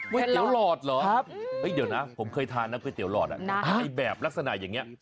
เตี๋ยหลอดเหรอเดี๋ยวนะผมเคยทานนะก๋วยเตี๋หลอดไอ้แบบลักษณะอย่างนี้